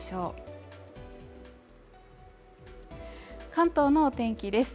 関東のお天気です